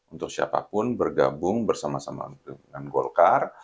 untuk siapapun bergabung bersama sama dengan golkar